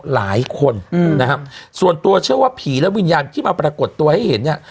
หลายคนนะครับส่วนตัวเชื่อว่าผีและวิญญาณที่มาปรากฏตัวให้เห็นเนี่ย